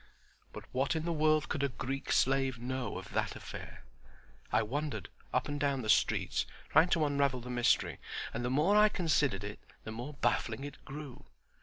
But what in the world could a Greek slave know of that affair? I wandered up and down among the streets trying to unravel the mystery, and the more I considered it, the more baffling it grew.